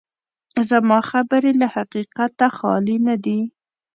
زما خبرې له حقیقته خالي نه دي.